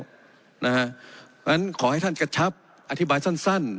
เพราะฉะนั้นขอให้ท่านกระชับอธิบายสั้น